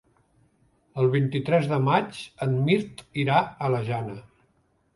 El vint-i-tres de maig en Mirt irà a la Jana.